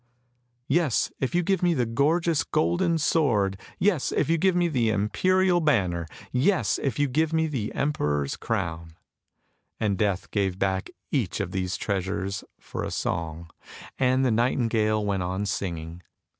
"" Yes, if you give me the gorgeous golden sword; yes, if you give me the imperial banner; yes, if you give me the emperor's crown." And Death gave back each of these treasures for a song, and the nightingale went on singing.